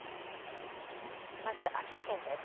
まず秋田県です。